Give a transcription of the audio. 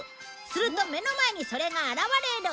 すると目の前にそれが現れる。